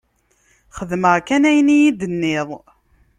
Xedmeɣ kan ayen i yi-d-tenniḍ.